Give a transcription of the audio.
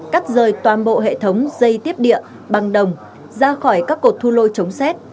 cắt rời toàn bộ hệ thống dây tiếp địa bằng đồng ra khỏi các cột thu lôi chống xét